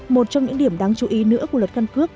một trong những điểm đáng chú ý nữa của luật căn cước